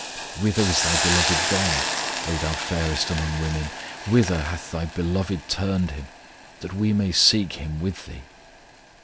Whither is thy Beloved gone, O thou fairest among women? Whither hath thy Beloved turned Him, That we may seek Him with thee?